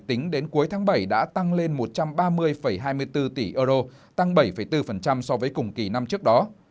tính đến cuối tháng bảy đã tăng lên một trăm ba mươi hai mươi bốn tỷ euro tăng bảy bốn so với cùng kỳ năm trước đó